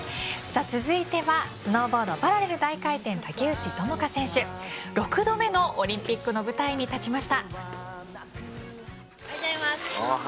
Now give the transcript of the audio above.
続いてはスノーボードパラレル大回転、竹内智香選手６度目のオリンピックの舞台に立ちました。